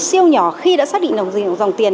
siêu nhỏ khi đã xác định được dòng tiền